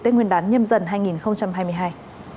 trong dịp tết nguyên đán nhâm dần hai nghìn hai mươi hai